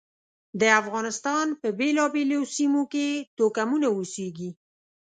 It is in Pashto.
د افغانستان په بېلابېلو سیمو کې توکمونه اوسېږي.